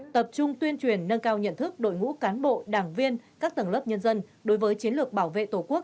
tập trung tuyên truyền nâng cao nhận thức đội ngũ cán bộ đảng viên các tầng lớp nhân dân đối với chiến lược bảo vệ tổ quốc